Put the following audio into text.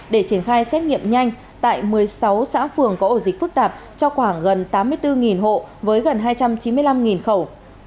để triển khai xét nghiệm nhanh tại một mươi sáu xã phường có ổ dịch phức tạp cho khoảng gần tám mươi bốn hộ với gần hai trăm chín mươi năm khẩu